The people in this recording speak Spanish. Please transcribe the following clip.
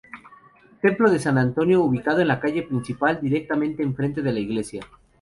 Templo de San Antonio, ubicado en la calle principal directamente enfrente de la iglesia.